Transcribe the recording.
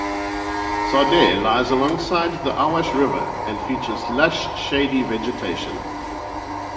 Sodere lies alongside the Awash River and features lush, shady vegetation.